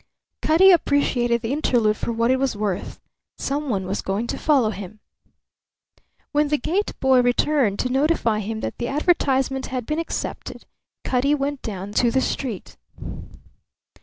Cutty appreciated the interlude for what it was worth. Someone was going to follow him. When the gate boy returned to notify him that the advertisement had been accepted, Cutty went down to the street.